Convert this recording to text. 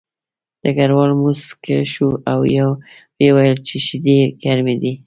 ډګروال موسک شو او ویې ویل چې شیدې ګرمې دي